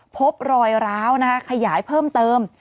พบรอยร้าวนะคะขยายเพิ่มเติม